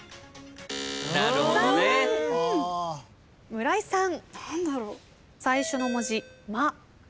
村井さん。